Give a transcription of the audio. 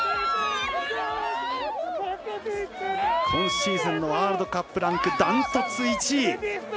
今シーズンのワールドカップランクダントツの１位。